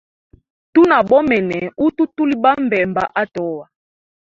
Tuna bomene, hutu tuli ba mbemba atoa.